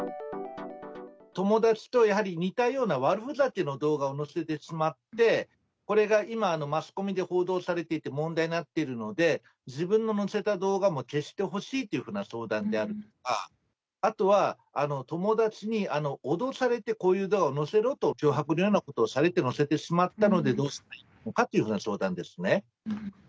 友達とやはり似たような悪ふざけの動画を載せてしまって、これが今、マスコミで報道されていて問題になっているので、自分の載せた動画も消してほしいというような相談であるとか、あとは、友だちに脅されて、こういう動画を載せろと脅迫のようなことをされて載せてしまったのでどうしたらいいのかという相談ですね。